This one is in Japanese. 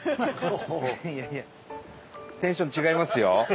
いやいやテンション違いますよ。